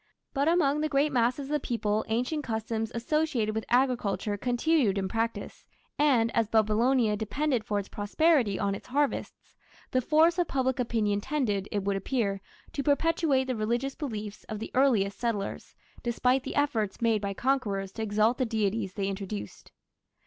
But among the great masses of the people ancient customs associated with agriculture continued in practice, and, as Babylonia depended for its prosperity on its harvests, the force of public opinion tended, it would appear, to perpetuate the religious beliefs of the earliest settlers, despite the efforts made by conquerors to exalt the deities they introduced.